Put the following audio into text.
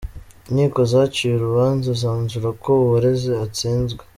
Inkiko zaciye urubanza zanzura ko uwareze atsinzwe.